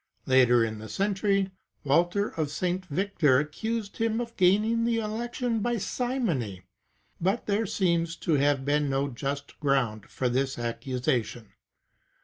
Later in the century, Walter of St. Victor accused him of gaining the election by simony,^ but there seems to have been no just ground for this accusation.